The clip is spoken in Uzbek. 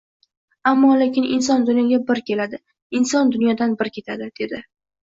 Ammo-lekin inson dunyoga bir keladi, inson dunyodan bir ketadi, — dedi.